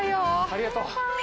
ありがとう。